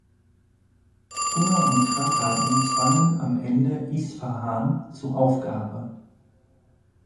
Hunger und Krankheiten zwangen am Ende Isfahan zu Aufgabe.